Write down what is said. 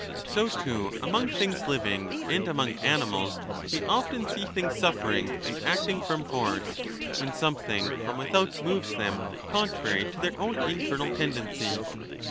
So, too, among things living and among animals we often see things suffering and acting from force, when something from without moves them contrary to their own internal tendency.